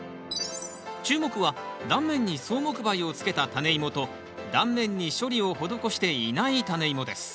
注目は断面に草木灰をつけたタネイモと断面に処理を施していないタネイモです